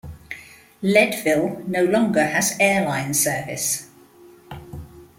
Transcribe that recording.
Leadville no longer has airline service.